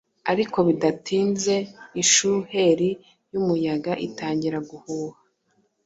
Ariko bidatinze ishuheri y’umuyaga itangira guhuha;”